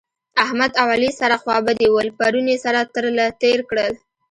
احمد او علي سره خوابدي ول؛ پرون يې سره تر له تېر کړل